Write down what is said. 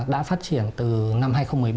đã phát triển từ năm hai nghìn một mươi bốn